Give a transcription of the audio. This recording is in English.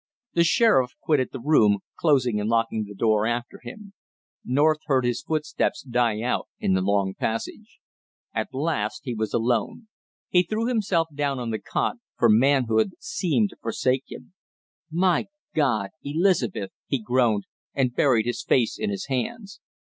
The sheriff quitted the room, closing and locking the door after him. North heard his footsteps die out in the long passage. At last he was alone! He threw himself down on the cot for manhood seemed to forsake him. "My God, Elizabeth " he groaned and buried his face in his hands.